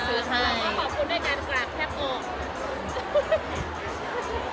หรือว่าขอบคุณด้วยการกราบแทบอก